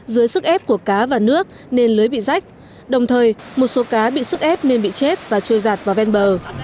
dưới sức ép của cá và nước nên lưới bị rách đồng thời một số cá bị sức ép nên bị chết và trôi giạt vào ven bờ